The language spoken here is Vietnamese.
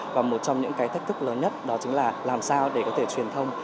và một trong những cái thách thức lớn nhất đó chính là làm sao để có thể truyền thông